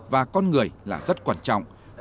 và con người là rất quan trọng